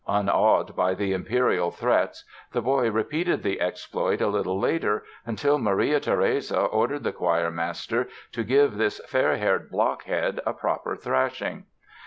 Unawed by the imperial threats the boy repeated the exploit a little later until Maria Theresia ordered the choirmaster to give this "fair haired blockhead" a proper thrashing.